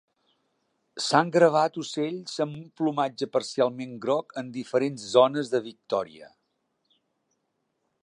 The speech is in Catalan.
S'han gravat ocells amb un plomatge parcialment groc en diferents zones de Victoria.